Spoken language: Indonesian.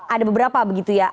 ada beberapa begitu ya